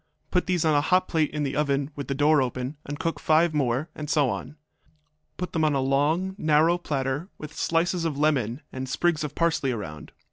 Put these on a hot plate in the oven with the door open, and cook five more, and so on. Put them on a long, narrow platter, with slices of lemon and sprigs of parsley around.